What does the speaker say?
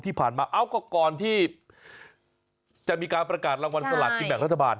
ที่ผ่านมาเอ้าก็ก่อนที่จะมีการประกาศรางวัลสลากกินแบ่งรัฐบาล